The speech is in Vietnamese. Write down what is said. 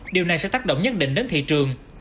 điều này sẽ tác động nhất định đến thị trường